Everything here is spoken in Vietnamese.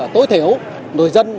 tối thiểu người dân